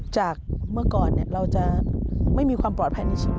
จากเมื่อก่อนเราจะไม่มีความปลอดภัยในชีวิต